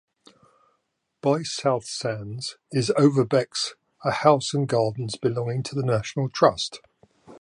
By South Sands is Overbeck's a house and gardens belonging to the National Trust.